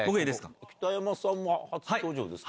北山さんも初登場ですか？